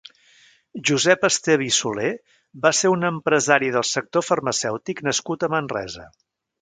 Josep Esteve i Soler va ser un empresari del sector farmacèutic nascut a Manresa.